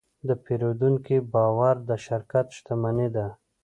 د پیرودونکي باور د شرکت شتمني ده.